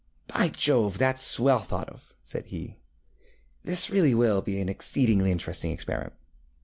ŌĆ£By Jove, thatŌĆÖs well thought of, ŌĆØ said he. ŌĆ£This really will be an exceedingly interesting experiment.